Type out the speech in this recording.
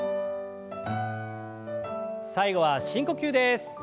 最後は深呼吸です。